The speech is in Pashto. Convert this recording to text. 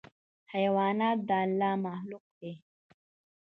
حیوانات د الله مخلوق دي.